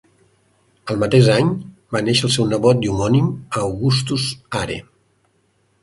El mateix any, va néixer el seu nebot i homònim, Augustus Hare.